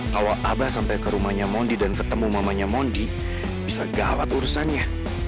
kalau abah sampai ke rumahnya mondi dan ketemu mamanya mondi bisa gawat urusannya